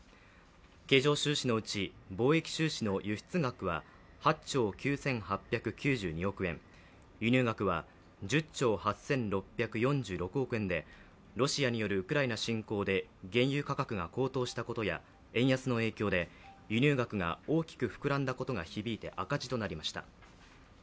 経常収支のうち貿易収支の輸出額は８兆９８９２億円、輸入額は１０兆８６４６億円でロシアによるウクライナ侵攻で原油価格が高騰したことや円安の影響で輸入額が大きく膨らんだことが響いて赤字となりました。